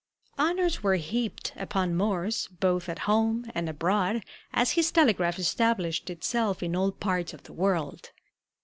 Honors were heaped upon Morse both at home and abroad as his telegraph established itself in all parts of the world.